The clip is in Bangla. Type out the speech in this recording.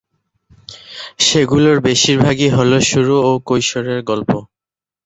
সেগুলোর বেশিরভাগই হল শুরু ও কৈশোরের গল্প।